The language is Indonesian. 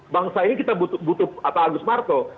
bangsa ini kita butuh pak agus marto